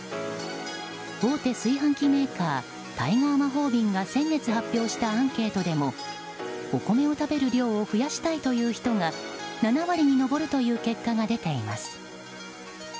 大手炊飯器メーカータイガー魔法瓶が先月発表したアンケートでもお米を食べる量を増やしたいという人が７割に上るという結果が出ています。